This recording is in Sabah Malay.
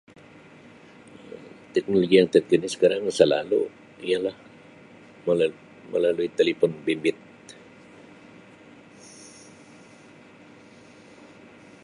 Um Teknologi yang terkini sekarang selalu ialah melaui-melalui telefon bimbit.